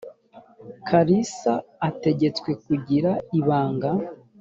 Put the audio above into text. kalisa ategetswe kugira ibanga